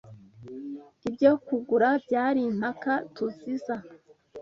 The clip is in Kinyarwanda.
Ibyo kugura byari impaka TUZIza.